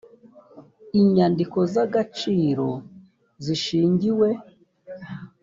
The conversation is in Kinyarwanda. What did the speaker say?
inyandiko z agaciro zishingiwe